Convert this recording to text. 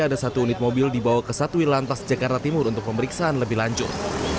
ada satu unit mobil dibawa ke satwil lantas jakarta timur untuk pemeriksaan lebih lanjut